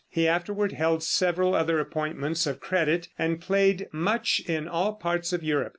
He afterward held several other appointments of credit, and played much in all parts of Europe.